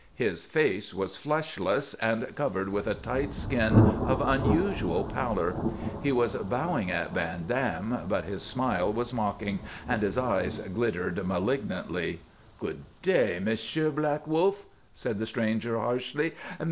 His face was fleshless and covered with a tight skin of unusual pallor. He was bowing at Van Dam, but his smile was mocking and his eyes glittered malignantly. "Good day, Monsieur Black Wolf," said the stranger, harshly.